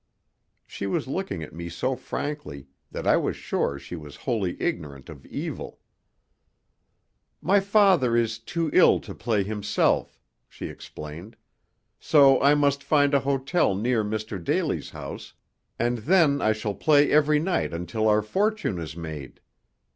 She was looking at me so frankly that I was sure she was wholly ignorant of evil. "My father is too ill to play himself," she explained, "so I must find a hotel near Mr. Daly's house, and then I shall play every night until our fortune is made.